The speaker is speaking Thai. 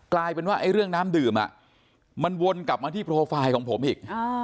กลายเป็นว่าเรื่องน้ำดื่มมันวนกลับมาที่โปรไฟล์ของผมอีก